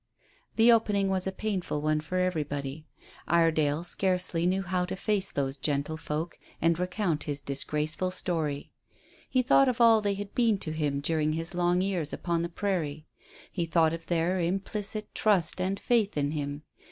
The opening was a painful one for everybody. Iredale scarcely knew how to face those gentle folk and recount his disgraceful story. He thought of all they had been to him during his long years upon the prairie. He thought of their implicit trust and faith in him.